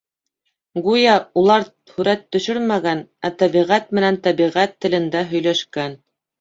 Гүйә, улар һүрәт төшөрмәгән, ә тәбиғәт менән тәбиғәт телендә һөйләшкән.